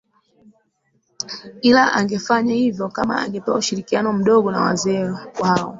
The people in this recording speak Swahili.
Ila angefanya hivyo kama angepewa ushirikiano mdogo na wazee hao